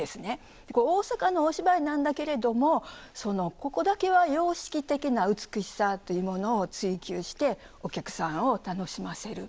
これ大阪のお芝居なんだけれどもここだけは様式的な美しさというものを追求してお客さんを楽しませる。